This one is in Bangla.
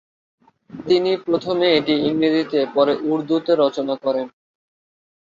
তিনি প্রথমে এটি ইংরেজিতে পরে উর্দুতে রচনা করেন।